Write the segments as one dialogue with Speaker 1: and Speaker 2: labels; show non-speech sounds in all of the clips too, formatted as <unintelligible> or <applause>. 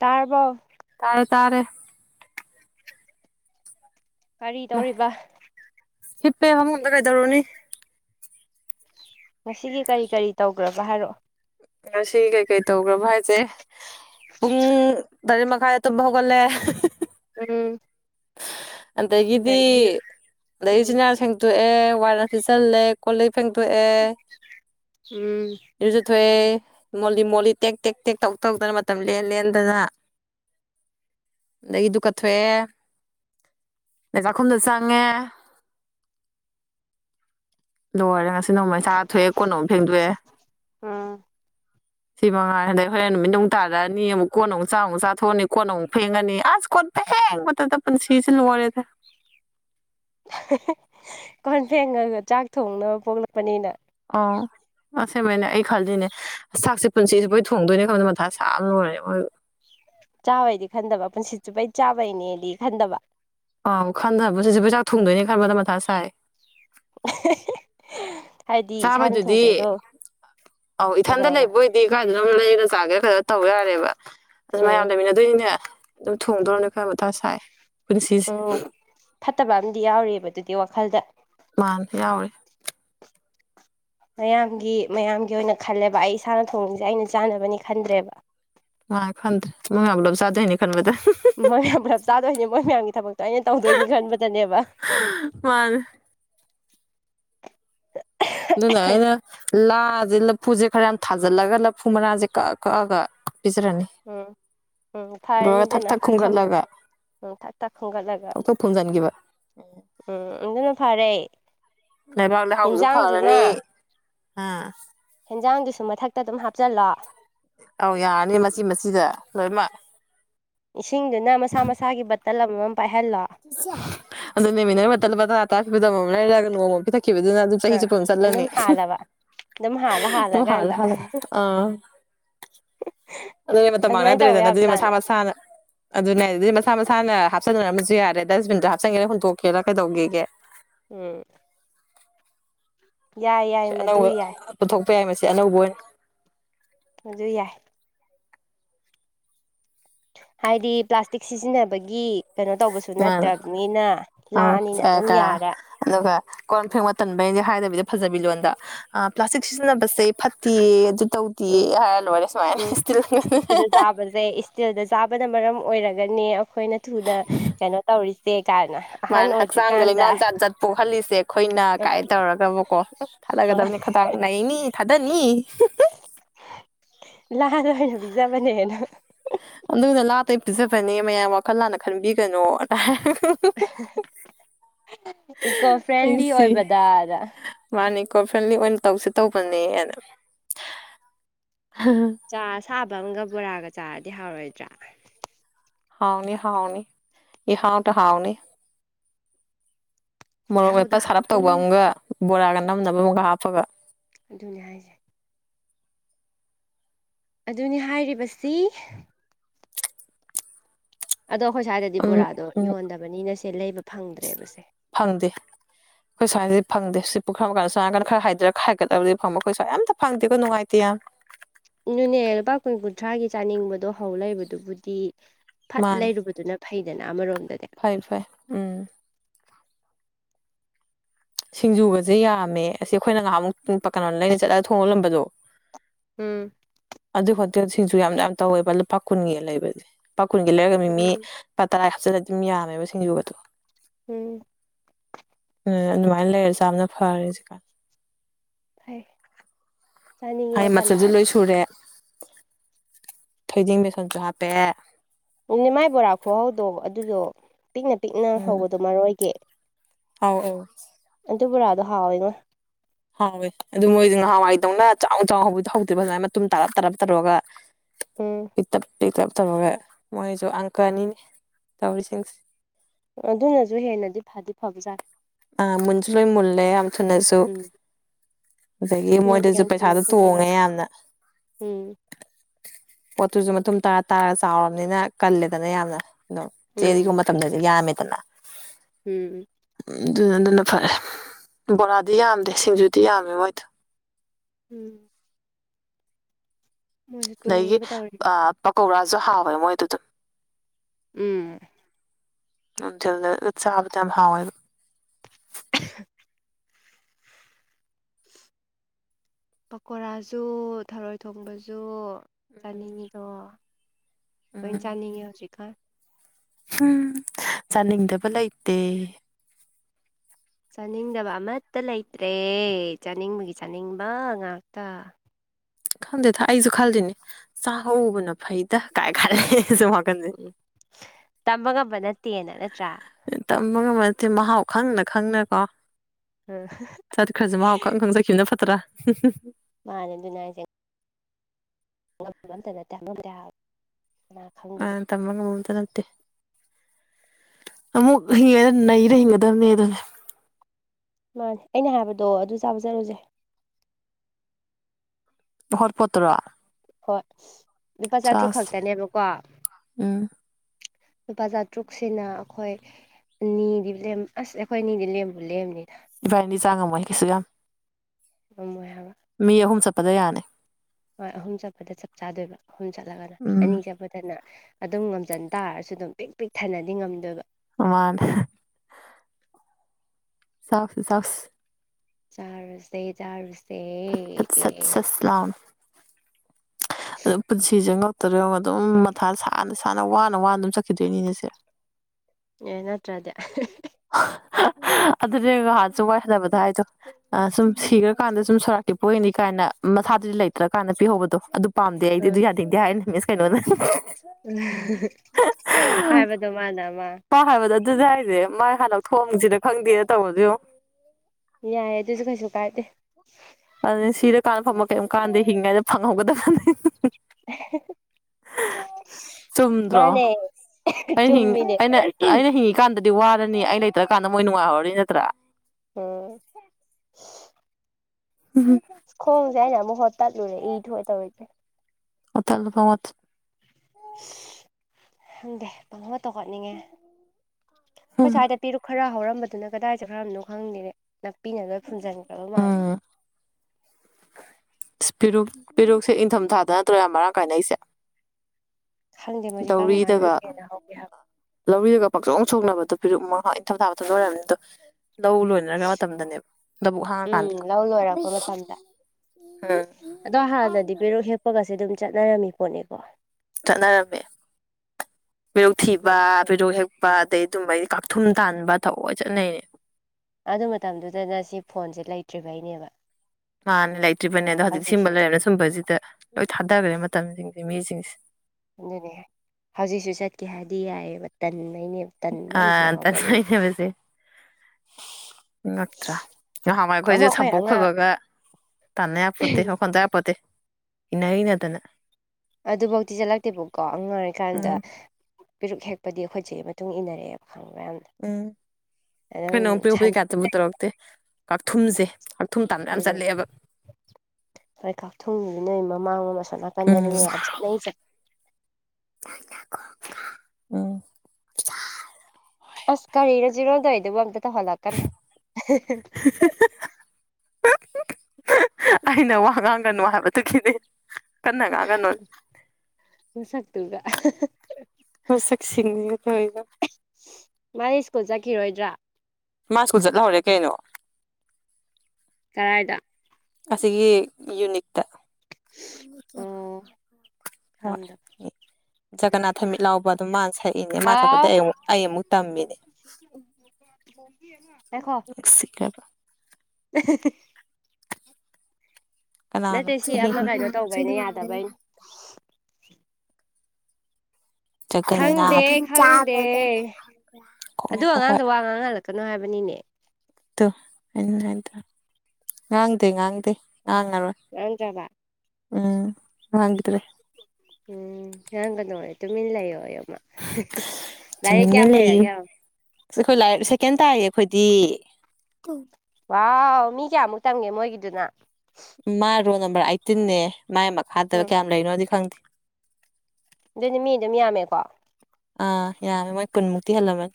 Speaker 1: ꯇꯥꯔꯕꯣ꯫
Speaker 2: ꯇꯥꯔꯦ ꯇꯥꯔꯦ
Speaker 1: ꯀꯔꯤ ꯇꯧꯔꯤꯕ
Speaker 2: ꯍꯤꯞꯄꯦ ꯐꯃꯨꯡꯗ ꯀꯩꯗꯧꯔꯨꯅꯤ꯫
Speaker 1: ꯉꯁꯤꯒꯤ ꯀꯔꯤ ꯀꯔꯤ ꯇꯧꯒ꯭ꯔꯕ ꯍꯥꯏꯔꯛꯑꯣ꯫
Speaker 2: ꯉꯁꯤ ꯀꯩꯀꯩ ꯇꯧꯈ꯭ꯔꯕ ꯍꯥꯏꯁꯦ ꯄꯨꯡ ꯇꯔꯦꯠ ꯃꯈꯥꯏꯗ ꯇꯨꯝꯕ ꯍꯧꯒꯠꯂꯦ꯫
Speaker 1: ꯀꯔꯤ꯫
Speaker 2: ꯑꯗꯒꯤꯗꯤ
Speaker 1: ꯎꯝ
Speaker 2: ꯑꯗꯗꯒꯤꯆꯤꯟꯅꯥꯥꯛ ꯁꯦꯡꯗꯣꯛꯑꯦ ꯋꯥꯠꯅꯁꯤꯤ ꯆꯜꯂꯦ ꯀꯂꯩ ꯐꯦꯡꯗꯣꯛꯦ
Speaker 1: ꯎꯝ
Speaker 2: ꯌꯨꯁꯨ ꯊꯣꯛꯑꯦ ꯃꯣꯜꯂꯤ ꯃꯣꯜꯂꯤ ꯇꯦꯛ ꯇꯦꯛ ꯇꯦꯛ ꯇꯧ ꯇꯧꯗꯅ ꯃꯇꯝ ꯂꯦꯟ ꯂꯦꯟꯗꯅ
Speaker 1: ꯑ
Speaker 2: ꯑꯗꯒꯤꯗꯨ ꯀꯊꯋꯦ ꯆꯥꯛꯈꯨꯝꯗꯣ ꯆꯪꯉꯦ ꯂꯣꯏꯔꯦ ꯉꯁꯤ ꯅꯣꯡꯃꯩ ꯆꯥꯔ ꯊꯣꯛꯑꯦ ꯀꯣꯟ ꯅꯣꯡꯃ ꯐꯦꯡꯗꯣꯛꯑꯦ
Speaker 1: ꯑꯥ
Speaker 2: ꯁꯤ ꯃꯉꯥ ꯍꯗꯩ ꯍꯣꯔꯦꯟ ꯅꯨꯃꯤꯠ ꯅꯨꯡꯛ ꯇꯥꯔꯛꯑꯅꯤ ꯑꯃꯨꯛ ꯀꯣꯟꯅ ꯑꯃꯨꯛ ꯆꯥꯃꯨꯛ ꯆꯥꯊꯣꯛꯑꯅꯤ ꯀꯣꯟꯅ ꯑꯃꯨꯛ ꯐꯦꯡꯉꯅꯤ ꯑꯁ ꯀꯣꯠ ꯍꯕ ꯃꯇꯝꯗꯟꯁꯤꯖꯟꯅꯨꯡ ꯋꯥꯔꯤꯔꯦꯗ
Speaker 1: ꯀꯣꯟ ꯐꯦꯡꯉꯒ ꯆꯥꯛ ꯊꯣꯡꯅꯕ ꯄꯣꯛꯂꯛꯄꯅꯤꯅ
Speaker 2: ꯑ ꯑꯁꯦꯡ ꯃꯥꯏꯅꯦ ꯑꯩ ꯈꯜꯂꯤꯅꯦ ꯊꯥꯛꯁꯦ ꯄꯨꯟꯁꯤꯁꯦ ꯄꯣꯏ ꯊꯣꯡꯗꯣꯏꯅꯦ ꯀꯕꯗ ꯃꯊꯥ ꯁꯥ ꯌꯥꯝꯅ ꯂꯣꯏꯔꯦ ꯃꯣꯏ
Speaker 1: ꯆꯥꯕꯩꯗꯤ ꯈꯟꯗꯕ ꯄꯨꯟꯁꯤꯠ ꯆꯨꯞꯄꯩ ꯆꯥꯕꯩꯅꯦꯗꯤ ꯈꯟꯗꯕ
Speaker 2: ꯑꯥꯎ ꯈꯟꯗ꯭ꯔ ꯄꯨꯟꯁꯤꯆꯨꯞꯄ ꯆꯥꯛ ꯊꯣꯡꯗꯣꯏꯅꯦ ꯈꯟꯕꯗ ꯃꯊꯥ ꯁꯥꯏ꯫
Speaker 1: <unintelligible> ꯏꯁꯥꯅ
Speaker 2: ꯆꯥꯕꯩꯗꯨꯗꯤ
Speaker 1: ꯊꯣꯡꯖꯩꯗꯣ
Speaker 2: ꯑꯧ ꯏꯊꯟꯗ
Speaker 1: ꯀꯗꯧꯔꯕ
Speaker 2: ꯂꯩꯕꯣꯏ ꯗꯤ ꯀꯥꯏꯗꯅꯣꯝꯃ ꯂꯩꯔ ꯆꯥꯒꯦꯔ ꯀꯩꯅꯣ ꯇꯧꯕ ꯌꯥꯔꯦꯕ
Speaker 1: ꯎꯝ
Speaker 2: ꯃꯌꯥꯝ ꯂꯩꯃꯤꯟꯅꯗꯣꯏꯅꯤꯅꯦ ꯑꯗꯨꯝ ꯊꯣꯡꯗꯣꯔꯕ ꯈꯔ ꯃꯊꯥ ꯁꯥꯏ ꯄꯨꯟꯁꯤꯁꯤ꯫
Speaker 1: ꯎꯝ ꯐꯠꯇꯕ ꯑ ꯌꯥꯎꯔꯤꯑꯕ ꯑꯗꯨꯗꯤ ꯋꯥꯈꯜꯗ
Speaker 2: ꯃꯥꯟꯕꯁꯨ ꯌꯥꯎꯔꯤꯦ
Speaker 1: ꯃꯌꯥꯝꯒꯤ ꯃꯌꯥꯝꯒꯤ ꯑꯣꯏꯅ ꯈꯜꯂꯦꯕ ꯑꯩ ꯏꯁꯥꯅ ꯊꯣꯡꯉꯤꯖꯦ ꯑꯩꯅ ꯆꯥꯅꯕꯅꯤ ꯈꯟꯗ꯭ꯔꯦꯕ꯫
Speaker 2: ꯉ ꯈꯟꯗ꯭ꯔꯦ ꯃꯉꯥ ꯄꯨꯂꯞ ꯆꯥꯗꯣꯏꯅꯤ ꯈꯟꯕꯗ
Speaker 1: ꯎ ꯃꯣꯏ ꯃꯌꯥꯝ ꯄꯨꯂꯞ ꯆꯥꯗꯣꯏꯅꯦ ꯃꯣꯏ ꯃꯌꯥꯝꯒꯤ ꯊꯕꯛꯇꯣ ꯑꯩꯅ ꯇꯧꯗꯣꯏꯅꯤ ꯈꯟꯕꯗꯅꯦꯕ
Speaker 2: ꯃꯥꯅꯤ꯫
Speaker 1: ꯍ
Speaker 2: ꯑꯗꯨꯅ ꯑꯩꯅ ꯂꯥꯖꯤ ꯂꯞ ꯂꯐꯨꯖꯦ ꯈꯔ ꯌꯥꯝ ꯊꯥꯖꯤꯜꯂꯒ ꯂꯐꯨ ꯃꯅꯥꯖꯦ ꯀꯛꯑ ꯀꯛꯑꯒ ꯄꯤꯖꯔꯅꯤ꯫
Speaker 1: ꯎꯝ ꯎꯝ
Speaker 2: ꯂꯣꯏꯔꯒ ꯊꯛ
Speaker 1: ꯐꯔꯅꯤꯗꯅ
Speaker 2: ꯊꯛ
Speaker 1: ꯈꯝꯗꯣ
Speaker 2: ꯈꯨꯝꯒꯠꯂꯒ
Speaker 1: ꯎꯝ ꯊꯛ ꯊꯛ ꯈꯨꯟꯒꯠꯂꯒ
Speaker 2: ꯊꯛ ꯊꯛ ꯐꯨꯝꯖꯤꯟꯈꯤꯕ
Speaker 1: ꯎꯝ ꯑꯗꯨꯅ ꯐꯔꯦ꯫
Speaker 2: ꯂꯩꯕꯥꯛ ꯂꯩꯍꯥꯎꯁꯨ
Speaker 1: ꯍꯦꯟꯖꯥꯡꯗꯨꯅ
Speaker 2: ꯐꯔꯅꯤ ꯑꯥ
Speaker 1: ꯍꯦꯟꯖꯥꯡꯗꯨꯁꯨ ꯃꯊꯛꯇ ꯑꯗꯨꯝ ꯍꯥꯞꯆꯤꯜꯂꯣ
Speaker 2: ꯑꯧ ꯌꯥꯔꯅꯤ ꯃꯆꯤ ꯃꯆꯤꯗ ꯂꯣꯏꯅꯃꯛ
Speaker 1: ꯏꯁꯤꯡꯗꯨꯅ ꯃꯁꯥ ꯃꯁꯥꯒꯤ ꯕꯇꯜ ꯑꯃ ꯃꯝ ꯄꯥꯏꯍꯜꯂꯣ꯫
Speaker 2: ꯑꯗꯨꯣ ꯅꯦꯃꯤꯟꯅꯔ ꯃꯇꯝꯜꯕ ꯑ ꯇꯈꯤꯕꯗꯃ ꯑꯃ ꯂꯩꯔꯒ ꯅꯣꯡꯃ ꯑꯃ ꯄꯤꯊꯛꯈꯤꯕꯗꯨꯅ ꯑꯗꯨ
Speaker 1: ꯍ
Speaker 2: ꯆꯍꯤꯁꯦ ꯄꯨꯡ ꯆꯠꯂꯅꯤ
Speaker 1: ꯑꯗꯨꯝ ꯍꯥꯜꯂꯕ ꯑꯗꯨꯝ ꯍꯥꯜꯂ
Speaker 2: ꯑꯗꯨꯝ ꯍꯥꯥꯟꯜꯂ
Speaker 1: ꯍꯥꯜꯂꯀꯥꯟꯗ
Speaker 2: ꯍꯥꯜꯂ ꯑꯥ ꯑꯗꯨꯣ ꯃ
Speaker 1: ꯑꯗꯨꯃꯥꯏꯅ ꯇꯧꯕ
Speaker 2: ꯃꯉꯗ꯭ꯔꯦꯗꯅ ꯅ ꯑꯗꯨꯅꯤ
Speaker 1: ꯌꯥꯕꯖꯥꯠꯅꯦ
Speaker 2: ꯁꯃ ꯁꯥꯅ ꯑꯗꯨꯅꯦ ꯍꯥꯏ ꯑꯗꯨꯗꯤ ꯃꯁꯥ ꯃꯁꯥꯅ ꯍꯥꯞꯆꯟꯟꯅꯔ ꯑꯃꯁꯨ ꯌꯥꯔꯦ ꯗꯁꯕꯤꯟꯗ ꯍꯥꯞꯆꯤꯟꯦꯥ ꯍꯨꯟꯇꯣꯛꯀꯦꯔꯥ ꯀꯩꯗꯧꯒꯦ
Speaker 1: ꯑꯦ ꯌꯥꯏ ꯃꯗꯨ
Speaker 2: ꯑꯅꯧꯕ
Speaker 1: ꯌꯥꯏ
Speaker 2: ꯄꯨꯊꯣꯛꯄ ꯌꯥꯏ ꯃꯁꯤ ꯑꯅꯧꯕ ꯑꯣꯏꯅ
Speaker 1: ꯑꯗꯨ ꯌꯥꯏ꯫ ꯍꯥꯏꯗꯤ ꯄ꯭ꯂꯥꯁꯇꯤꯛ ꯁꯤꯖꯤꯟꯅꯕꯒꯤ ꯀꯩꯅꯣ ꯇꯧꯕꯁꯨ
Speaker 2: ꯃꯥꯅꯦ
Speaker 1: ꯅꯠꯇ꯭ꯔꯕꯅꯤꯅ
Speaker 2: ꯑꯧ
Speaker 1: ꯂꯥꯛꯑꯅꯤꯅ
Speaker 2: ꯑ
Speaker 1: ꯑꯗꯨꯝ
Speaker 2: ꯀ
Speaker 1: ꯌꯥꯔꯦ
Speaker 2: ꯑꯗꯨꯒ ꯀꯣꯟ ꯐꯦꯡꯕ ꯇꯟꯕꯩꯅꯤ ꯍꯥꯏꯗꯕꯤꯗ ꯐꯖꯕꯤ ꯂꯣꯟꯗ ꯑ ꯄ꯭ꯂꯥꯁꯇꯤꯛ ꯁꯤꯖꯤꯟꯅꯕꯁꯦ ꯐꯠꯇꯦꯌꯦ ꯑꯗꯨ ꯇꯧ ꯇ
Speaker 1: ꯎꯝ
Speaker 2: ꯍꯥꯏꯔ ꯂꯣꯏꯔꯦ ꯁꯨꯃꯥꯏꯅ <unintelligible>
Speaker 1: ꯁꯦ ꯏꯁꯇꯤꯜꯗ ꯆꯥꯕꯅ ꯃꯔꯝ ꯑꯣꯏꯔꯒꯅꯤ ꯑꯩꯈꯣꯏꯅ ꯊꯨꯅ ꯀꯩꯅꯣ ꯇꯧꯔꯤꯖꯤꯗꯤ ꯀꯥꯏꯅ ꯑꯍꯟ ꯑꯣꯏꯗ꯭ꯔꯤꯀꯥꯟꯗ
Speaker 2: ꯄꯣꯈꯂꯤꯁ ꯑꯩꯈꯣꯏꯅ
Speaker 1: ꯑ
Speaker 2: ꯀꯥꯏ ꯇꯧꯔꯒꯕꯀꯣ
Speaker 1: ꯍꯣꯏ
Speaker 2: ꯊꯥꯗꯒꯗꯕꯅꯤ ꯈꯗꯥꯡ ꯅꯩꯅꯤ ꯊꯥꯗꯅꯤ
Speaker 1: ꯂꯍꯥꯁꯨ ꯍꯣꯏꯅꯕꯤꯖꯕꯅꯦꯦꯅꯣ
Speaker 2: ꯑꯗꯨꯅ ꯂꯥꯇ ꯄꯤꯖꯕꯅꯦ ꯃꯌꯥꯝ ꯋꯥꯈꯜ ꯂꯥꯟꯅ ꯈꯟꯕꯤꯒꯅꯨ
Speaker 1: ꯏꯀꯣ ꯐ꯭ꯔꯦꯟꯂꯤ ꯑꯣꯏꯕꯗꯗ꯫
Speaker 2: ꯃꯥꯅꯤ ꯏꯀꯣ ꯐ꯭ꯔꯦꯟꯂꯤ ꯑꯣꯏꯅ ꯇꯧꯁꯦ ꯇꯧꯕꯅꯦꯅ
Speaker 1: ꯆꯥ ꯁꯥꯕ ꯑꯃꯒ ꯕꯣꯔꯥꯒ ꯆꯥꯔꯗꯤ ꯍꯥꯎꯔꯣꯏꯗ꯭ꯔꯥ
Speaker 2: ꯍꯥꯎꯅꯤ ꯍꯥꯎꯅꯤ ꯏꯍꯥꯎꯗ ꯍꯥꯎꯅꯤ꯫ ꯃꯣꯔꯣꯛ ꯂꯦꯞꯄ
Speaker 1: ꯏꯍꯥꯎꯗ
Speaker 2: ꯁꯥꯔꯞ
Speaker 1: ꯍꯥꯎꯅꯤ
Speaker 2: ꯇꯧꯕ ꯑꯃꯒ ꯕꯣꯔꯥꯒ ꯅꯝꯅꯕ ꯑꯃꯨꯛꯒ ꯍꯥꯞꯄꯒ
Speaker 1: ꯑꯗꯨꯅꯦ ꯍꯥꯏꯁꯦ ꯑꯗꯨꯅꯤ ꯍꯥꯏꯔꯤꯕꯁꯤ ꯑꯗꯣ ꯑꯩꯈꯣꯏ ꯁ꯭ꯋꯥꯏꯗꯗꯤ
Speaker 2: ꯎꯝ
Speaker 1: ꯕꯣꯔꯥꯗꯣ
Speaker 2: ꯎꯝ
Speaker 1: ꯌꯣꯟꯗꯕꯅꯤꯅ ꯁꯦ ꯂꯩꯕ ꯐꯪꯗ꯭ꯔꯦꯕꯁꯦ
Speaker 2: ꯐꯪꯗꯦ ꯑꯩꯈꯣꯏ ꯁ꯭ꯏꯁꯤ ꯐꯪꯗꯦ ꯁꯤ ꯄꯨꯈꯔꯀꯥꯟ ꯁꯃꯥꯏꯔꯀꯥꯟ ꯈꯔ ꯍꯥꯏꯗꯔ ꯈ ꯍꯥꯏꯒꯠꯂꯗꯤ ꯐꯕ ꯑꯩꯈ ꯁ꯭ꯋꯥꯏ ꯑꯝ ꯐꯪꯗꯦꯀꯣ ꯅꯨꯡꯉꯥꯏꯇꯦ ꯌꯥꯝ
Speaker 1: ꯑꯗꯨꯅꯦ ꯂꯨꯄꯥ ꯀꯨꯟ ꯀꯨꯟꯊ꯭ꯔꯥꯒꯤ ꯆꯥꯅꯤꯡꯕꯗꯣ ꯍꯧ ꯂꯩꯕꯗꯨꯕꯨꯗꯤ꯫ ꯐꯠ
Speaker 2: ꯃꯥꯅꯦ
Speaker 1: ꯂꯩꯔꯨꯕꯗꯨꯅ ꯐꯩꯗꯅ ꯑꯃꯔꯣꯝꯗꯗꯤ
Speaker 2: ꯐꯩ ꯐꯩ ꯎꯝ ꯁꯤꯡꯖꯨꯒꯁꯦ ꯌꯥꯝꯃꯦ ꯑꯁꯤ ꯑꯩꯈꯣꯏꯅ ꯉꯥꯏꯍꯥꯛꯃꯨꯛ ꯀꯩꯅꯣ ꯂꯩꯅ ꯆꯠꯂꯒ ꯊꯣꯡꯍꯣꯜꯂꯝꯕꯗꯣ
Speaker 1: ꯎꯝ
Speaker 2: ꯑꯗꯨ ꯍꯣꯇꯦꯜ ꯁꯤꯡꯁꯨ ꯌꯥꯝ ꯌꯥꯝ ꯇꯧꯋꯦꯕ ꯂꯨꯄꯥ ꯀꯨꯟꯒꯤ ꯂꯩꯕꯁꯦ ꯂꯨꯄꯥ ꯀꯨꯟꯒꯤ ꯂꯩꯔꯒ ꯃꯤ ꯃꯤ
Speaker 1: ꯎꯝ
Speaker 2: ꯂꯨꯄꯥ ꯇꯔꯥ ꯍꯥꯞꯆꯤꯜꯂ ꯑꯗꯨꯝ ꯌꯥꯝꯃꯦꯕ ꯁꯤꯡꯖꯨ ꯑ ꯑꯗꯨꯣ
Speaker 1: ꯎꯝ
Speaker 2: ꯎꯝ ꯑꯗꯨꯃꯥꯏꯅ ꯂꯩꯔꯦ ꯆꯥꯅ ꯐꯔꯦ ꯍꯧꯖꯤꯛꯀꯥꯟ
Speaker 1: ꯍꯥꯏ꯫
Speaker 2: ꯍꯥꯏꯗꯤ ꯃꯆꯜꯖꯨ ꯂꯣꯏ ꯁꯨꯔꯦ ꯊꯣꯏꯗꯤꯡ ꯕꯁꯣꯟꯖꯨ ꯍꯥꯞꯄꯦ꯫
Speaker 1: ꯅꯦꯃꯥꯏ ꯕꯣꯔꯥ ꯈꯨꯍꯧꯗꯣ ꯑꯗꯨꯗꯣ ꯄꯤꯛꯅ ꯄꯤꯛꯅ ꯍꯧꯕꯗꯣ ꯃꯔ ꯑꯣꯏꯒꯦ
Speaker 2: ꯑ ꯑ
Speaker 1: ꯑꯗꯨ ꯕꯣꯔꯥꯗꯣ ꯍꯥꯎꯋꯦꯉꯣ꯫
Speaker 2: ꯍꯥꯎꯋꯦ ꯑꯗꯨ ꯃꯣꯏꯖꯨ ꯉꯍꯋꯥꯏꯗꯧꯅ ꯆꯥꯎ ꯆꯥꯎ ꯍꯧꯕꯗꯣ ꯍꯧꯗ꯭ꯔꯤꯕ ꯑꯗꯨꯃꯥꯏꯅ ꯃꯇꯨꯝ ꯇꯥꯔꯞ ꯇꯥꯔꯞ ꯇꯧꯔꯒ
Speaker 1: ꯎꯝ
Speaker 2: ꯄꯤꯞ ꯄꯤꯛꯇ ꯎꯞ ꯇꯧꯔꯒ ꯃꯣꯏꯁꯨ ꯑꯪꯀ ꯑꯅꯤꯅꯤ ꯇꯧꯔꯤꯁꯤꯡꯁ
Speaker 1: ꯑꯗꯨꯅꯁꯨ ꯍꯦꯟꯅꯗꯤ ꯐꯗꯤ ꯐꯕꯖꯥꯠꯅꯤ
Speaker 2: ꯑ ꯃꯨꯟꯖꯨ ꯂꯣꯏ ꯃꯨꯜꯂꯦ ꯌꯥꯝ ꯊꯨꯅꯁꯨ ꯑꯗꯒꯤ
Speaker 1: ꯅꯣꯏꯅ
Speaker 2: ꯃꯣꯏꯗꯁꯨ
Speaker 1: ꯌꯥꯝ ꯊꯨꯅ
Speaker 2: ꯄꯩꯁꯥꯗꯣ
Speaker 1: ꯁꯨꯝꯃꯜꯂꯦ
Speaker 2: ꯇꯣꯡꯉꯦ ꯌꯥꯝꯅ
Speaker 1: ꯎꯝ
Speaker 2: ꯄꯣꯠꯇꯨꯁꯨ ꯃꯇꯨꯡꯨꯝ ꯇꯔꯥ ꯇꯥꯔ ꯆꯥꯎꯔꯕꯅꯤꯅ ꯀꯜꯂꯦꯗꯅ ꯌꯥꯝꯅ ꯑꯗꯣ ꯆꯦꯜꯂꯤꯒꯨꯝꯕ
Speaker 1: ꯎꯝ
Speaker 2: ꯃꯇꯝꯗꯗꯤ ꯌꯥꯝꯃꯦꯗꯅ
Speaker 1: ꯎꯝ
Speaker 2: ꯑꯗꯨꯅ ꯑꯗꯨꯅ ꯐꯔꯦ ꯕꯣꯔꯥꯗꯤ ꯌꯥꯝꯗꯦ ꯁꯤꯡꯖꯨꯗꯤ ꯌꯥꯝꯃꯦ ꯃꯣꯏꯗꯣ
Speaker 1: ꯎꯝ ꯃꯣꯏꯁꯨ
Speaker 2: ꯑꯗꯒꯤ
Speaker 1: ꯇꯣꯡꯅꯕ ꯇꯧꯔꯤ
Speaker 2: ꯄꯀꯧꯔꯥꯁꯨ ꯍꯥꯥꯎꯋꯦ ꯃꯣꯏꯗ ꯑꯗꯨꯝ
Speaker 1: ꯎꯝ
Speaker 2: <unintelligible> ꯆꯥꯕꯗ ꯌꯥꯝ ꯍꯥꯎꯋꯦꯕ
Speaker 1: <unintelligible> ꯄꯀꯣꯔꯥꯁꯨ ꯊꯔꯣꯏ ꯊꯣꯡꯕꯁꯨ ꯆꯥꯅꯤꯡꯉꯤꯗꯣ ꯍꯣꯏ
Speaker 2: ꯎꯝ
Speaker 1: ꯆꯥꯅꯤꯡꯉꯦ ꯍꯧꯖꯤꯛꯀꯥꯟ
Speaker 2: ꯎꯝ ꯆꯥꯅꯤꯡꯗꯕ ꯂꯩꯇꯦ
Speaker 1: ꯆꯥꯅꯤꯡꯗꯕ ꯑꯃꯠꯇ ꯂꯩꯇ꯭ꯔꯦ ꯆꯥꯅꯤꯡꯕꯒꯤ ꯆꯥꯅꯤꯡꯕ ꯉꯥꯛꯇ
Speaker 2: ꯈꯪꯗꯦ ꯊ ꯑꯩꯁꯨ ꯈꯜꯂꯤꯅ‌ꯦ ꯆꯥꯍꯧꯕꯅꯥ ꯐꯩꯗ ꯈꯜꯂ‌ꯦ ꯁꯨꯝ ꯋꯥꯈꯜꯗ
Speaker 1: ꯎꯝ ꯇꯝꯕ ꯉꯝꯕ ꯅꯠꯇꯦꯅ ꯅꯠꯇ꯭ꯔꯥ
Speaker 2: ꯇꯝꯕ ꯉꯝꯃꯗꯦ ꯃꯍꯥꯎ ꯈꯪꯅ ꯈꯪꯅꯀꯣ
Speaker 1: ꯑ ꯍꯍꯍ
Speaker 2: ꯆꯠꯈ꯭ꯔꯖꯨ ꯃꯍꯥꯎ ꯈ ꯈꯪꯅ ꯆꯠꯈꯤꯕꯅ ꯐꯠꯇ꯭ꯔꯥ
Speaker 1: ꯃꯥꯅꯦ ꯑꯗꯨꯅꯥꯏ ꯑꯝꯕ ꯉꯝꯇ ꯅꯠꯇ ꯀꯌꯥ ꯀꯅꯥ ꯈꯪꯗꯣꯔꯤ
Speaker 2: ꯑ ꯇꯝꯕ ꯉꯝꯕꯝꯇ ꯅꯠꯇꯦ ꯑꯃꯨꯛ ꯍꯤꯡꯉꯦ ꯅꯩꯔ ꯍꯤꯡꯒꯗꯕꯅꯦ ꯑꯗꯨꯅꯦ
Speaker 1: ꯃꯥꯅꯦ ꯑꯩꯅ ꯍꯥꯏꯕꯗꯣ ꯑꯗꯨ ꯆꯥꯕ ꯆꯠꯔꯨꯁꯦ
Speaker 2: ꯂꯧꯍꯠ ꯄꯇ꯭ꯔ
Speaker 1: ꯍꯣꯏ ꯂꯨꯄꯥ ꯆꯥꯇ꯭ꯔꯨꯛ ꯈꯛꯇꯅꯦꯕꯀꯣ
Speaker 2: ꯎꯝ
Speaker 1: ꯂꯨꯄꯥ ꯆꯥꯇ꯭ꯔꯨꯛꯁꯤꯅ ꯑꯩꯈꯣꯏ ꯅꯤꯗꯤ ꯂꯦꯝ ꯑꯁ ꯑꯩꯈꯣꯏ ꯅꯤꯗꯤ ꯂꯦꯝꯕꯨ ꯂꯦꯝꯕꯅꯤꯅ
Speaker 2: ꯏꯕꯥꯅꯤꯖꯥꯝ ꯃ ꯍꯥꯏꯈꯩꯁꯨꯒꯝ
Speaker 1: ꯉꯝꯃꯣꯏ ꯍꯥꯏꯕ
Speaker 2: ꯃꯤ ꯑꯍꯨꯝ ꯆꯠꯄꯗ ꯌꯥꯅꯤ
Speaker 1: ꯍꯣꯏ ꯑꯍꯨꯝ ꯆꯠꯄꯗ ꯆꯞ ꯆꯥꯗꯣꯏꯕ ꯑꯍꯨꯝ ꯆꯠꯂꯒꯅ ꯑꯅꯤ
Speaker 2: ꯎꯝ
Speaker 1: ꯆꯠꯄꯗꯅ ꯑꯗꯨꯝ ꯉꯝꯁꯤꯟ ꯇꯥꯔꯁꯨ ꯑꯗꯨꯝ ꯄꯤꯛ ꯄꯤꯛ ꯊꯅꯗꯤ ꯉꯝꯗꯣꯏꯕ
Speaker 2: ꯃꯥꯅꯦ ꯁꯥꯁꯤ ꯆꯁ
Speaker 1: ꯆꯥꯔꯁꯦ ꯆꯥꯔꯁ
Speaker 2: ꯐ ꯐꯠ ꯁꯠ ꯁꯠ ꯂꯥꯎꯅ ꯑꯗꯨꯝ ꯄꯨꯟꯁꯤꯁꯦ ꯉꯧꯇꯔꯣꯏ ꯑꯗꯨꯝ ꯃꯊꯥ ꯁꯥꯟꯅ ꯁꯅ ꯋꯥꯅ ꯋꯥꯅ ꯑꯗꯨꯝ ꯆꯠꯈꯤꯗꯣꯏꯅꯤꯅꯦꯁꯦ
Speaker 1: ꯑꯦ ꯅꯠꯇ꯭ꯔꯗꯤ
Speaker 2: ꯑꯗꯨꯅꯦ ꯉꯍꯥꯟꯁꯨ ꯋꯥꯏ ꯍꯕꯗ ꯍꯥꯏꯗꯣ ꯑ ꯁꯨꯝ ꯁꯤꯈ꯭ꯔꯀꯥꯟꯗ ꯁꯨꯝ ꯁꯣꯔꯥꯛꯇꯤ ꯄꯣꯛꯅꯤ ꯀꯥꯏꯅ ꯃꯊꯥꯗꯨꯗꯤ ꯂꯩꯇ꯭ꯔꯀꯥꯟꯗ ꯄꯤꯍꯧꯕꯗꯣ ꯑꯗꯨ ꯄꯥꯝꯗꯦ ꯑꯩꯗꯤ ꯑꯗꯨ ꯌꯥꯅꯤꯡꯗꯦ ꯍꯥꯏꯅ ꯃꯤꯁ ꯀꯩꯅꯣꯅ
Speaker 1: ꯎ ꯍꯥꯏꯕꯗꯨ ꯃꯥꯅꯃ
Speaker 2: ꯃꯥ ꯍꯥꯏꯕꯗꯣ ꯑꯗꯨꯗꯤ ꯍꯥꯏꯁꯦ ꯃꯥꯥꯏ ꯍꯟꯗꯛ ꯊꯣꯡꯁꯤꯅ ꯈꯪꯗꯦꯅ ꯇꯧꯕꯗꯨꯣ
Speaker 1: ꯌꯥꯏꯌꯦ ꯑꯗꯨꯁꯨ ꯀꯩꯁꯨ ꯀꯥꯏꯗꯦ
Speaker 2: ꯑꯗꯨꯅ ꯁꯤꯗ ꯀꯥꯟꯅ ꯐꯃ ꯀꯔꯤꯒꯝꯕ ꯀꯥꯟꯗ ꯍꯤꯡꯉꯥꯏꯗ ꯐꯪꯍꯧꯒꯗꯕꯅꯤ
Speaker 1: <unintelligible> ꯍꯦꯍꯦ
Speaker 2: ꯆꯨꯝꯗ꯭ꯔꯣ ꯑꯩꯅ
Speaker 1: ꯆꯨꯝꯃꯤꯅꯦ
Speaker 2: ꯑꯩꯅ ꯑꯩꯅ ꯍꯤꯡꯉꯤꯀꯥꯟꯗꯗꯤ ꯑꯗꯨꯗꯤ ꯋꯥꯔꯅꯤ ꯑꯩ ꯂꯩꯇ꯭ꯔꯀꯥꯟꯗ ꯃꯣꯏ ꯅꯨꯡꯉꯥꯏꯍꯧꯔꯅꯤ ꯅꯠꯇ꯭ꯔꯥ
Speaker 1: ꯑꯣ
Speaker 2: ꯎꯝꯍꯝ
Speaker 1: ꯈꯣꯡꯁꯦ ꯍꯥꯏꯅ ꯑꯃꯨꯛ ꯍꯣꯠ ꯇꯠꯂꯨꯔꯦ ꯏ ꯊꯣꯛꯏ ꯇꯧꯔꯤꯁꯦ
Speaker 2: <unintelligible>
Speaker 1: ꯈꯪꯗꯦ ꯄꯪ ꯑꯃ ꯇꯧꯒꯠꯅꯤꯡꯉꯦ ꯍꯣꯏ ꯁ꯭ꯋꯥꯏꯗ ꯄꯤꯔꯛ ꯈꯔ ꯍꯧꯔꯝꯕꯗꯨꯅ ꯀꯗꯥꯏꯁꯦ ꯈꯔꯝꯅꯣ ꯈꯪꯗꯦꯅꯦꯦ ꯅꯛꯄꯤꯅꯕ ꯐꯨꯝꯖꯤꯟꯈ꯭ꯔꯕ ꯃꯥꯜꯂꯦ
Speaker 2: ꯎꯝ ꯄꯦꯔꯨ ꯄꯦꯔꯨꯁꯦ ꯏꯪꯊꯝꯊꯥꯗ ꯅꯠꯇ꯭ꯔꯣ ꯌꯥꯝ ꯃꯔꯥꯡ ꯀꯥꯏꯅꯩꯁꯦ
Speaker 1: ꯈꯪꯗꯦ ꯃꯁꯤ ꯀꯔꯝ ꯀꯥꯟꯅꯔꯤꯒꯦꯅ ꯍꯧꯒꯦ
Speaker 2: ꯂꯧꯔꯤꯔꯒ ꯄꯥꯛꯆꯣꯡ ꯁꯣꯛꯅꯕꯗꯣ ꯐꯤꯔꯨꯛ ꯏꯪꯊꯊꯧ ꯊꯥꯕ ꯊꯧꯗꯣꯏꯔꯕꯅꯤ ꯑꯗꯣ ꯂꯧ ꯂꯣꯏꯅ ꯈꯔꯒ ꯃꯇꯝꯗꯅꯦꯕ ꯂꯧꯕꯕꯨꯛ ꯍꯥꯡꯉꯀꯥꯟꯗ
Speaker 1: ꯎꯝ ꯂꯧ ꯂꯣꯏꯔꯛꯄ ꯃꯇꯝꯗ
Speaker 2: ꯎꯝ
Speaker 1: ꯑꯗꯣ ꯍꯥꯟꯅꯗꯤ ꯄꯦꯔꯨꯛ ꯍꯦꯛꯞꯄꯒꯁꯦ ꯑꯗꯨꯝ ꯆꯠꯅꯔꯝꯃꯤ ꯄꯣꯠꯅꯦꯀꯣ
Speaker 2: ꯆꯠꯅꯔꯝꯃꯦ ꯄꯦꯔꯨꯛ ꯊꯤꯕ
Speaker 1: ꯂꯧꯕꯨꯛꯇꯒꯤ
Speaker 2: ꯄꯦꯔꯣꯛ ꯍꯦꯛ ꯄ
Speaker 1: ꯎꯝ
Speaker 2: ꯑꯗꯩ ꯑꯗꯨꯝꯕ ꯑꯩ ꯀꯥꯛꯊꯨꯝ ꯇꯥꯟꯕ ꯊꯑꯣꯏ ꯆꯠꯅꯩꯅꯦ
Speaker 1: ꯑꯗꯨ ꯃꯇꯝꯗꯨꯗꯅ ꯁꯤ ꯐꯣꯟꯁꯦ ꯂꯩꯇ꯭ꯔꯤꯕꯩꯅꯦꯕ
Speaker 2: ꯃꯥꯥꯟꯅ ꯂꯩꯇ꯭ꯔꯤꯕꯅꯦ ꯑꯗꯣ ꯍꯧꯖꯤꯛ ꯁꯤꯕ
Speaker 1: ꯍꯧꯖꯤꯛꯁꯨ
Speaker 2: ꯂꯩꯔꯝꯅ ꯁꯨꯝꯕꯁꯤꯗ ꯂꯣꯏ ꯊꯥꯗꯈ꯭ꯔꯦ ꯃꯇꯝꯁꯤꯡꯁꯦ ꯃꯤꯁꯤꯡꯁꯦ
Speaker 1: ꯑꯗꯨꯅꯦ ꯍꯧꯖꯤꯛꯁꯨ ꯆꯠꯀꯦ ꯍꯥꯏꯔꯗꯤ ꯌꯥꯏꯑꯕ ꯇꯟꯉꯩꯅꯦꯕ ꯇꯟꯕ ꯑꯃꯁꯨ ꯌꯥꯎꯕꯅꯦꯕ
Speaker 2: <unintelligible> ꯅꯠꯇ꯭ꯔꯥ ꯉꯍꯥꯟꯋꯥ
Speaker 1: ꯑꯃꯨꯛ
Speaker 2: ꯑꯩꯈꯣꯏꯁꯦ
Speaker 1: ꯑꯩꯈꯣꯏ
Speaker 2: ꯁꯝꯄꯣꯛ
Speaker 1: ꯑꯉꯥꯡ
Speaker 2: ꯈꯣꯏꯕꯒ ꯇꯥꯟꯅ ꯑꯞꯄꯣꯠꯇꯦ ꯍꯈꯟꯇ ꯍꯥꯞꯄꯣꯠꯇꯦ ꯏꯟꯅ ꯍꯅꯗꯅ
Speaker 1: ꯑꯗꯨꯐꯧꯗꯤ ꯆꯠꯂꯛꯇꯦꯕꯀꯣ ꯑꯥꯡ ꯑꯣꯏꯔꯤꯀꯥꯟꯗ
Speaker 2: ꯎꯝ
Speaker 1: ꯄꯦꯔꯨꯛ ꯍꯦꯛꯄꯗꯤ ꯑꯩꯈꯣꯏꯁꯦ ꯃꯇꯨꯡ ꯏꯟꯅꯔꯛꯑꯦꯕ ꯈꯪꯕ꯭ꯔ ꯌꯥꯝꯅ
Speaker 2: ꯎꯝ ꯐ
Speaker 1: ꯑꯗꯨꯝ
Speaker 2: ꯅꯧꯄꯔꯤ
Speaker 1: ꯁꯟ
Speaker 2: ꯎꯄꯔꯤ ꯀꯌꯥꯇꯕꯨꯠꯇꯔꯣꯛꯇ ꯀꯥꯛꯊꯨꯝꯁꯦ ꯀꯥꯛꯊꯨꯝ ꯇꯥꯕ ꯌꯥꯝ
Speaker 1: ꯎꯝ
Speaker 2: ꯆꯠꯂꯛꯑꯦꯕ
Speaker 1: ꯍꯣꯏ ꯀꯥꯎꯊꯣꯡꯉ ꯅꯣꯏ ꯃꯃꯥꯡ ꯃ ꯁꯣꯠ
Speaker 2: ꯎꯝ
Speaker 1: ꯅꯥꯀꯟꯗꯅꯤ ꯅ ꯌꯥꯝ ꯆꯠꯅꯩꯠ
Speaker 2: ꯎꯝ
Speaker 1: ꯑꯁ ꯀꯔꯤꯔꯣꯁꯤꯔꯣꯗꯋꯥꯗꯨꯕꯨ ꯑꯝꯇ ꯇꯧ ꯍꯜꯂꯛꯀꯅ <unintelligible>
Speaker 2: ꯑꯩꯅ ꯋꯥ ꯉꯥꯡꯒꯅꯨ ꯍꯥꯏꯕꯗꯨꯒꯤꯗꯤ ꯀꯟꯅ ꯉꯥꯡꯒꯅꯨ
Speaker 1: ꯅꯁꯛꯇꯨꯒ
Speaker 2: ꯃꯁꯛꯁꯤꯡꯒ
Speaker 1: ꯃꯥꯗꯤ ꯁ꯭ꯀꯨꯜ ꯆꯠꯈꯤꯔꯣꯏꯗ꯭ꯔꯥ
Speaker 2: ꯃꯥ ꯁ꯭ꯀꯨꯜ ꯆꯠꯍꯧꯔꯦ ꯀꯩꯅꯣ
Speaker 1: ꯀꯔꯥꯏꯗ
Speaker 2: ꯑꯁꯤꯒꯤ ꯌꯨꯅꯤꯛꯇ
Speaker 1: ꯈꯜꯗ
Speaker 2: ꯖꯒꯅꯥꯠ ꯊꯃꯤꯠ ꯂꯥꯎꯕ ꯑꯗꯨꯝ ꯃꯥ ꯁꯛꯏꯅꯦ ꯃꯥ ꯁꯛꯄꯗ ꯑꯩ ꯑꯃꯨꯛ ꯑꯩ ꯑꯃꯨꯛ ꯇꯝꯃꯤꯅꯦ
Speaker 1: ꯎꯝ
Speaker 2: ꯁꯤ ꯀ
Speaker 1: <unintelligible>
Speaker 2: ꯀꯅꯥꯅꯣ
Speaker 1: ꯅꯠꯇꯦ ꯁꯤ ꯑꯃ ꯀꯩꯅꯣ ꯇꯧꯕꯩꯩꯅ ꯌꯥꯗꯕꯩꯩꯅ ꯈꯪꯗꯦ
Speaker 2: ꯖꯒꯟꯅꯥꯊ
Speaker 1: ꯈꯪꯗꯦ ꯑꯗꯨ
Speaker 2: ꯉꯥꯏꯈꯣ
Speaker 1: ꯑꯉꯥꯡꯗꯣ
Speaker 2: ꯍꯣꯏ
Speaker 1: ꯋꯥ ꯉꯥꯡ ꯉꯜꯂꯛꯀꯅꯣ ꯍꯥꯏꯕꯅꯤꯅꯦ
Speaker 2: ꯑꯣ ꯍꯥꯏꯩꯅ ꯍꯥꯏ ꯇꯔꯦ ꯉꯥꯡꯗꯦ ꯉꯥꯡꯗꯦ ꯉꯥꯡꯉꯔꯣꯏ
Speaker 1: ꯂꯥꯟꯖꯕ
Speaker 2: ꯎꯝ ꯍꯗ꯭ꯔꯦ
Speaker 1: ꯎꯝ ꯌꯥ ꯀꯩꯅꯣ ꯇꯨꯃꯤ ꯂꯏ
Speaker 2: ꯇꯨꯃꯤꯟꯅ ꯂꯩꯌꯨ
Speaker 1: ꯍꯩꯔꯒꯦ ꯌꯦꯡꯉꯣ
Speaker 2: ꯑꯩꯈꯣꯏ ꯂꯥꯏꯔꯤ ꯁꯦꯀꯦꯟ ꯇꯥꯏꯌꯦ ꯑꯩꯈꯣꯏꯗꯤ
Speaker 1: ꯋꯥꯁ ꯃꯤ ꯀꯌꯥꯃꯨꯛ ꯇꯝꯒꯦ ꯃꯣꯏꯒꯤꯗꯨꯅ
Speaker 2: ꯃꯥ ꯔꯣꯜ ꯅꯝꯕꯔ ꯑꯥꯏꯇꯤꯟꯅꯦ ꯃꯥꯏ ꯃꯈꯥꯗ
Speaker 1: ꯎꯝ
Speaker 2: ꯀꯌꯥꯝ ꯂꯩꯔꯤꯅꯣꯗꯤ ꯈꯪꯗꯦ
Speaker 1: ꯑꯗꯨꯅꯤ ꯃꯤ ꯑꯗꯨꯝ ꯌꯥꯝꯃꯦꯀꯣ
Speaker 2: ꯑꯥ ꯌꯥꯔꯦ ꯃꯣꯏ ꯀꯨꯟꯃꯨꯛꯇꯤ ꯍꯦꯜꯂꯝꯃꯅꯤ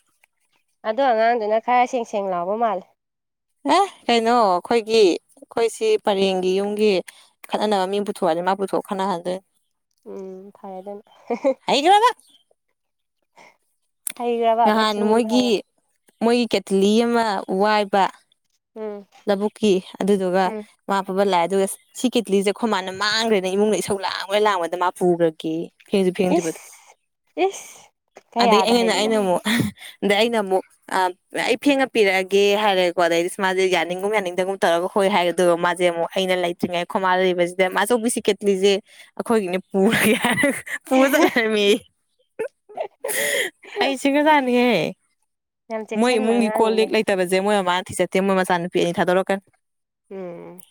Speaker 1: ꯑꯗꯣ ꯑꯉꯥꯡꯗꯨꯅ ꯈꯔ ꯁꯦꯡ ꯁꯦꯡ ꯂꯥꯎꯕ ꯃꯥꯜꯂꯦ
Speaker 2: ꯑꯦ ꯀꯩꯅꯣ ꯑꯩꯈꯣꯏꯒꯤ ꯑꯩꯈꯣꯏꯁꯤ ꯄꯔꯦꯡꯒꯤ ꯌꯨꯝꯒꯤ ꯈꯅ ꯅꯕ ꯃꯤ ꯕꯨꯊꯣꯑꯦ ꯃꯥꯕꯨꯊꯣꯛ ꯈꯥꯟꯅ ꯍꯥꯏꯖꯦ
Speaker 1: ꯎꯝ ꯐꯔꯗꯝ‌ꯅ‌ꯦ
Speaker 2: ꯍꯩꯒꯔꯕ
Speaker 1: ꯍꯩꯈ꯭ꯔꯕ
Speaker 2: ꯅꯍꯥꯟ
Speaker 1: ꯃꯆꯤꯟꯗꯤ
Speaker 2: ꯃꯣꯏꯒꯤ ꯃꯣꯏꯒꯤ ꯀꯦꯊꯂꯤ ꯑꯃ ꯋꯥꯏꯕ
Speaker 1: ꯎꯝ
Speaker 2: ꯂꯧꯕꯨꯛꯀꯤ ꯑꯗꯨꯗꯨꯒ
Speaker 1: ꯎꯝ
Speaker 2: ꯃꯥ ꯄꯥꯐꯠ ꯂꯥꯛꯑꯦ ꯑꯗꯨꯒ ꯁꯤ ꯀꯦꯠꯊꯂꯤꯁꯦ ꯑꯩꯈꯣꯏ ꯃꯥꯅ ꯃꯥꯡꯈ꯭ꯔꯦꯅ ꯏꯃꯨꯡꯗ ꯏꯁꯧ ꯂꯥꯡꯕꯗ ꯂꯥꯡꯕꯗ ꯃꯥ ꯄꯨꯈ꯭ꯔꯒꯦꯌꯦ ꯐꯦꯡꯁꯤ
Speaker 1: ꯏꯁ
Speaker 2: ꯐꯦꯡꯗꯔꯤꯕꯗꯣ
Speaker 1: ꯏꯁ
Speaker 2: ꯑꯗꯗꯒꯤ
Speaker 1: ꯀꯌꯥꯗ
Speaker 2: ꯑꯩꯅꯅꯦ
Speaker 1: ꯍꯩꯔꯤꯕ
Speaker 2: ꯑꯩꯅ ꯑꯃꯨꯛ ꯑꯗꯩ ꯑꯩꯅ ꯑꯃꯨꯛ ꯑ ꯑꯩ ꯐꯦꯡꯉ ꯄꯤꯔꯛꯑꯒꯦ ꯍꯥꯏꯔꯦꯀꯣ ꯑꯗꯩ ꯃꯥꯁ‌ꯦ ꯌꯥꯅꯤꯡꯒꯨꯝ ꯌꯥꯅꯤꯡꯗꯒꯨꯝ ꯇꯧꯔꯒ ꯍꯣꯏ ꯍꯥꯏ ꯑꯗꯨꯒ ꯃꯥꯁꯦ ꯑꯃꯨꯛ ꯑꯩꯅ ꯂꯩꯇ꯭ꯔꯤꯉꯩ ꯈꯣꯃꯥꯜ ꯂꯩꯁꯤꯗ ꯃꯥꯆꯧꯕꯤꯁꯤ ꯀꯦꯠꯂꯤꯁꯦ ꯑꯩꯈꯣꯏꯒꯤꯅꯦ ꯄꯨꯔꯒꯦ ꯄꯨꯔ ꯆꯠꯂꯔꯝꯃꯤ ꯍꯩ ꯁꯤꯒꯖꯥꯅꯤꯍꯦ
Speaker 1: ꯌꯥꯝ
Speaker 2: ꯃꯣꯏ
Speaker 1: ꯆꯦꯛꯁꯤꯟꯕ
Speaker 2: ꯏꯃꯨꯡꯒꯤ ꯀꯣꯜ
Speaker 1: ꯑꯉꯥꯡꯅꯤꯅꯦ
Speaker 2: ꯂꯦꯛ ꯂꯩꯇ ꯃꯣꯏ ꯃꯥ ꯊꯤꯖꯤꯟꯗꯦ ꯃꯣꯏ ꯃꯆꯥ ꯅꯨꯄꯤ ꯑꯅꯤ ꯊꯥꯗꯣꯛꯔꯛꯀꯦꯅꯤ
Speaker 1: ꯎꯝ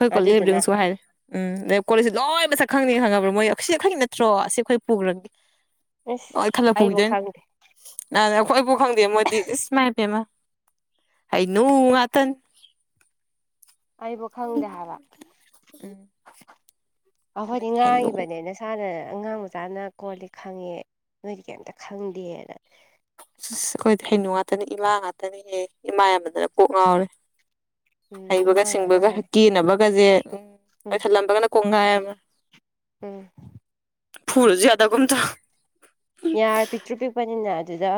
Speaker 2: ꯑꯩꯈꯣꯏ
Speaker 1: ꯑꯗꯨꯗꯨꯅ
Speaker 2: ꯀꯣꯂꯕꯗꯨꯅꯁꯨ ꯍꯥꯏꯔꯦ ꯎꯝ ꯑꯗꯩ ꯀꯣꯂꯤꯛꯁꯦ ꯂꯣꯏ ꯃꯁꯛ ꯈꯪꯅꯤ ꯈꯪꯉꯕ꯭ꯔꯥ ꯃꯣꯏ ꯁꯤꯈꯣꯢꯅꯠꯇ꯭ꯔꯣ ꯑꯁꯤ ꯑꯩꯈꯣꯏ ꯄꯨꯈ꯭ꯔꯒꯦ
Speaker 1: ꯏꯁ
Speaker 2: ꯂꯣꯢ ꯈꯜꯂꯒ
Speaker 1: ꯑꯩꯕꯨ
Speaker 2: ꯄꯨꯈꯤꯗꯣꯏꯅꯤ
Speaker 1: ꯈꯪꯗꯦ
Speaker 2: ꯅꯥ ꯑꯩꯈꯣꯏꯐꯥꯎ ꯈꯪꯗꯦ ꯃꯣꯏꯗꯤ ꯏꯁ ꯃꯥꯏ ꯄꯦꯃ ꯍꯩꯅꯨ ꯉꯥꯛꯇꯅꯤ
Speaker 1: ꯑꯩꯕꯨ ꯈꯪꯗꯦ ꯍꯥꯏꯕ
Speaker 2: ꯎꯝ <inaudible>
Speaker 1: ꯑꯈꯣꯢꯗꯤ
Speaker 2: ꯃꯣꯏꯗꯤ ꯍꯩꯅꯨ
Speaker 1: ꯉꯥꯡꯢꯕꯅꯦ ꯁꯨꯝ ꯏꯁꯥꯅ ꯑꯉꯥꯡ ꯃꯆꯥꯅ ꯀꯣꯟꯂꯤꯛ ꯈꯪꯉꯦ ꯅꯣꯏꯗꯤ ꯀꯩꯝꯇ ꯈꯪꯗꯦꯅ
Speaker 2: ꯑꯩꯈꯣꯏꯗꯤ ꯍꯩꯅꯨ ꯉꯥꯛꯇꯅꯦ ꯏꯃꯥ ꯉꯥꯛꯇꯅꯍꯦ ꯏꯃꯥ ꯌꯥꯝꯃꯥꯟꯗꯅ ꯀꫭꯛ ꯉꯥꯎꯔꯦ
Speaker 1: ꯎꯝ
Speaker 2: ꯍꯩꯕꯒ
Speaker 1: ꯏꯃꯥ ꯉꯥꯛ
Speaker 2: ꯁꯤꯡꯕꯒ
Speaker 1: ꯉꯥꯏꯔꯦ
Speaker 2: ꯀꯦꯅꯕꯒꯁꯦ ꯎꯝ
Speaker 1: ꯎꯝ
Speaker 2: ꯀꯣꯏꯁꯜꯂꯝꯕꯒꯅ ꯀꯣꯡ ꯉꯥꯏ ꯑꯃ
Speaker 1: ꯎꯝ
Speaker 2: ꯐꯨꯔꯨꯁꯨ ꯌꯥꯗꯒꯨꯝ ꯇꯧ
Speaker 1: ꯌꯥ ꯄꯤ <inaudible>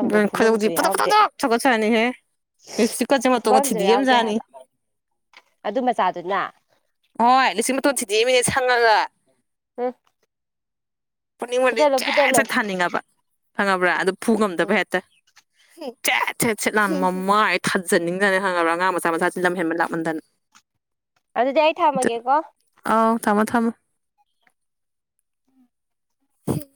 Speaker 2: ꯗꯨꯅ ꯈꫭꯏꯗꯧꯁꯦ ꯄꯗꫭꯛ
Speaker 1: ꯌꯥꯎꯗꯦ
Speaker 2: ꯄꯗꫭꯛ ꯁꯥꯎꯒꯠꯄ ꯖꯠꯅꯤꯍ‌ꯦ ꯏꯞꯁꯤ <inaudible> ꯀꯆꯦ ꯃꯠꯇꯣ
Speaker 1: ꯐꯨꯐꯝꯁꯨ
Speaker 2: ꯊꯨꯗ‌ꯦꯛꯑꯝ
Speaker 1: ꯌꯥꯎꯗꯦ
Speaker 2: ꯖꯟꯅꯤ
Speaker 1: ꯍꯥꯏꯕ ꯑꯗꯨ ꯃꯆꯥꯗꯨꯅ
Speaker 2: ꯍꯣꯏ ꯂꯤꯞꯇꯤꯛ ꯃꯇꯣꯟ ꯊꯨꯗꯤꯛ ꯑꯝꯃꯤꯅꯦ ꯁꯪꯉꯒ
Speaker 1: ꯎꯡ <inaudible>
Speaker 2: ꯄꯨꯛꯅꯤꯡꯕꯅꯗꯤ ꯆꯦꯠ ꯆꯠ ꯊꯥꯅꯤꯡꯉꯕ ꯐꯪꯉꯕ꯭ꯔꯥ ꯑꯗꯨ ꯐꯨ ꯉꯝꯗꯕ
Speaker 1: ꯎꯝ
Speaker 2: ꯍꯦꯛꯇ ꯎ ꯁꯦꯠ ꯆꯦꯠ ꯁꯦꯠ ꯂꯥꯟ ꯃꯃꯥꯏ ꯊꯥꯖꯟꯅꯤꯡꯖꯠꯅꯤ ꯈꯪꯉꯔꯥ ꯑꯉꯥꯡ ꯃꯆꯥ ꯃꯆꯥ ꯁꯤꯡꯁꯦ ꯂꯝ ꯍꯦꯟꯕ ꯂꯥꯛꯃꯟꯗꯅ
Speaker 1: ꯑꯗꯨꯗꯤ ꯑꯩ ꯊꯝꯃꯒꯦꯀꯣ
Speaker 2: ꯑꯥꯎ ꯊꯝꯃꯣ ꯊꯝꯃꯣ ꯍ <inaudible>